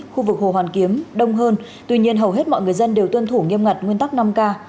khu vực hồ hoàn kiếm đông hơn tuy nhiên hầu hết mọi người dân đều tuân thủ nghiêm ngặt nguyên tắc năm k